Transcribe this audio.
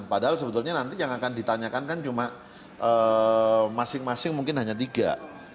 padahal sebetulnya nanti yang akan ditanyakan kan cuma masing masing mungkin hanya tiga